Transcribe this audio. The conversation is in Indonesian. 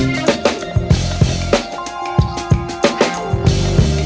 nggak ada yang denger